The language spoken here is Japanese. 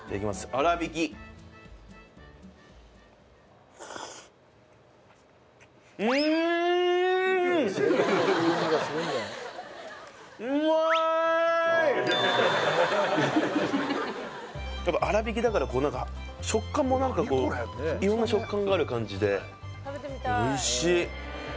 粗びきやっぱ粗びきだからこう何か食感も何かこう色んな食感がある感じでおいしい